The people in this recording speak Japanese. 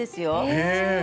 へえ。